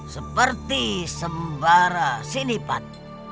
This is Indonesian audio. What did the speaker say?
seperti sembara sinipan